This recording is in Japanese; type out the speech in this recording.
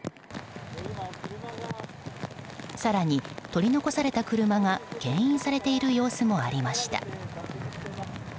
更に取り残された車が牽引される様子もありました。